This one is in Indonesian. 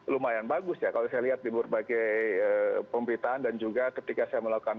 lumayan bagus ya kalau saya lihat di berbagai pemberitaan dan juga ketika saya melakukan